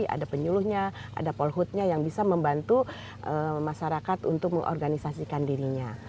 ada penyuluhnya ada polhutnya yang bisa membantu masyarakat untuk mengorganisasikan dirinya